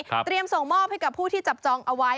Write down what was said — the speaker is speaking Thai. ครับเตรียมส่งมอบให้กับผู้ที่จับจองเอาไว้